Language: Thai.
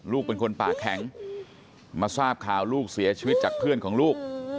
ลูกเป็นคนปากแข็งมาทราบข่าวลูกเสียชีวิตจากเพื่อนของลูก